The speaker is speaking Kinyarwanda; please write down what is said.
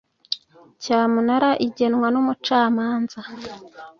cyamunara igenwa numucamanza.